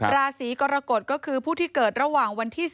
ราศีกรกฏคือผู้ที่เกิดระหว่าง